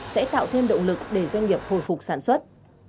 sẽ tạo thêm động lực để doanh nghiệp hồi phục sản xuất